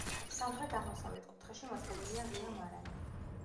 სამხრეთ-აღმოსავლეთ კუთხეში მოწყობილია ღია მარანი.